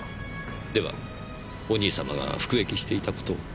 ではお兄様が服役していた事は？